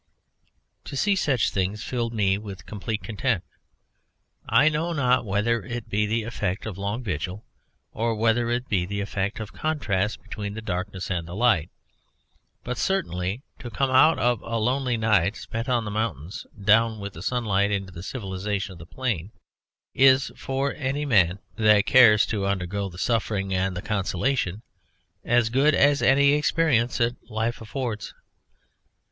To see such things filled me with a complete content. I know not whether it be the effect of long vigil, or whether it be the effect of contrast between the darkness and the light, but certainly to come out of a lonely night spent on the mountains, down with the sunlight into the civilisation of the plain, is, for any man that cares to undergo the suffering and the consolation, as good as any experience that life affords.